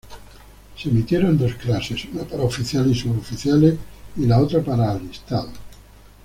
Se emitieron dos clases, una para oficiales y suboficiales y la otra para alistados.